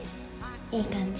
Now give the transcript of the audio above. いい感じ。